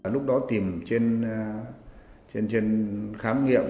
lúc đó tìm trên khám nghiệm